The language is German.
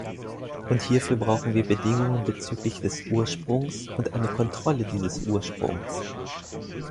Und hierfür brauchen wir Bedingungen bezüglich des Ursprungs und eine Kontrolle dieses Ursprungs.